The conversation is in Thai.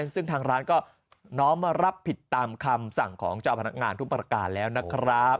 ซึ่งทางร้านก็น้อมมารับผิดตามคำสั่งของเจ้าพนักงานทุกประการแล้วนะครับ